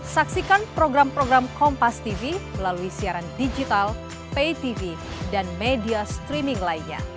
saksikan program program kompastv melalui siaran digital paytv dan media streaming lainnya